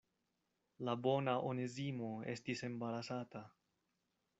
La bona Onezimo estis embarasata.